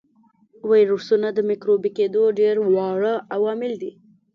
ویروسونه د مکروبي کېدلو ډېر واړه عوامل دي.